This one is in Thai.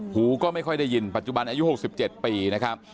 หูก็ไม่ค่อยได้ยินปัจจุบันอายุ๖๗ปีนะครับ